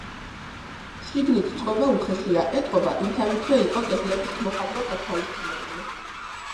შიგნით წყობა უხეშია, ეტყობა, იმთავითვე იყო კედლების მოხატვა გათვალისწინებული.